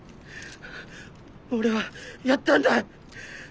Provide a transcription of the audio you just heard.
俺はやったんだ。